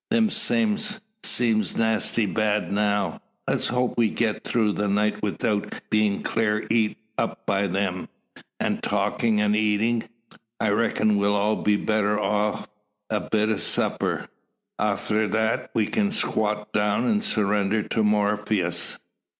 Them same seems nasty bad now. Let's hope we'll git through the night 'ithout bein' clar eat up by 'em. An', talkin' o' eatin', I reckin we'll all be the better o' a bit supper. Arter thet we kin squat down an' surrender to Morpheus."